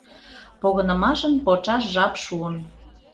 — Погынымашым почаш жап шуын.